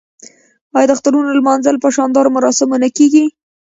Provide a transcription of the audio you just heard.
آیا د اخترونو لمانځل په شاندارو مراسمو نه کیږي؟